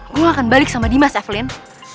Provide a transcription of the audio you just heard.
gue akan balik sama dimas evelyn